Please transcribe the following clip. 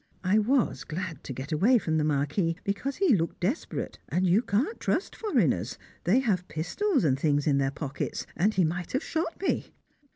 I was glad to get away from the Marquis, because he looked desperate, and you can't trust foreigners, they have pistols and things in their pockets, and he might have shot me.